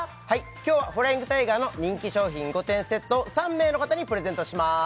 今日はフライングタイガーの人気商品５点セットを３名の方にプレゼントします